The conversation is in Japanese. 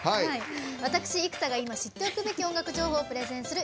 私、生田が今、知っておくべき音楽情報をプレゼンする「ＩＫＵＴＩＭＥＳ」。